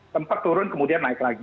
tempat turun kemudian naik lagi